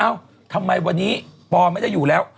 ทำไมวันนี้ปอไม่ได้อยู่แล้ว